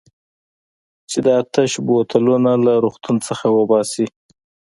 چې دا تش بوتلونه له روغتون څخه وباسي.